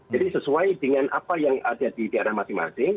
jadi sesuai dengan apa yang ada di daerah masing masing